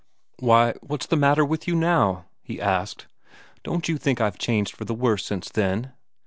"Why, what's the matter with you now?" he asked. "Don't you think I've changed for the worse since then?"